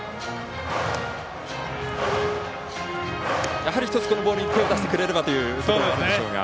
やはり１つこのボールに手を出してくれればというところあるでしょうが。